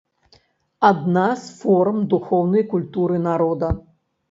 Адна з форм духоўнай культуры народа.